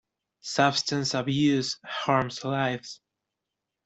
Substance abuse harms lives.